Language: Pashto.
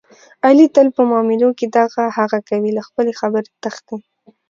علي تل په معاملو کې دغه هغه کوي، له خپلې خبرې تښتي.